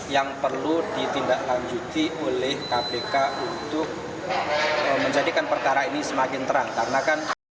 yang perlu ditindaklanjuti oleh kpk untuk menjadikan perkara ini semakin terang karena kan